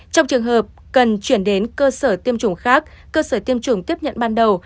trong trường hợp cần chuyển đến cơ sở tiêm chủng khác cơ sở tiêm chủng tiếp nhận ban đầu